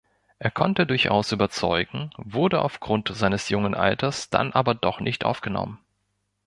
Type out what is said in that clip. Er konnte durchaus überzeugen, wurde aufgrund seines jungen Alters dann aber doch nicht aufgenommen.